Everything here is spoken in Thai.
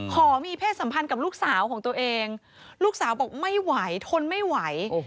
ขอมีเพศสัมพันธ์กับลูกสาวของตัวเองลูกสาวบอกไม่ไหวทนไม่ไหว